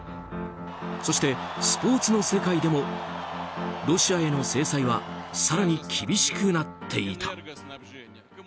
そして、スポーツの世界でもロシアへの制裁は更に厳しくなっていた。